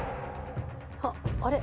「あっあれ？」